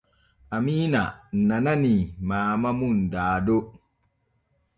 Amiina nananii Maama mum Dado.